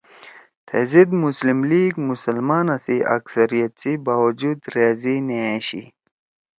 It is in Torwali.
تیزید مسلم لیگ مسلمانا سی اکثریت سی باوجود رأضی نےأشی